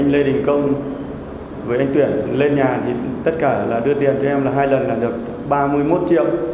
lê đình công với anh tuyển lên nhà thì tất cả là đưa tiền cho em là hai lần là được ba mươi một triệu